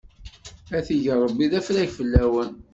A t-ig Ṛebbi d afrag fell-awen!